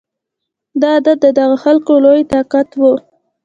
دا عادت د دغه خلکو لوی طاقت و